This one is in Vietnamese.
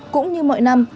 cũng như mọi năm